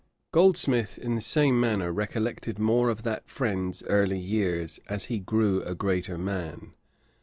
Goldsmith in the same manner recollected more of that friend's early years, as he grew a greater man.'